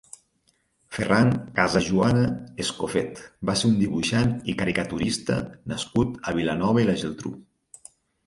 Ferran Casajuana Escofet va ser un dibuixant i caricaturista nascut a Vilanova i la Geltrú.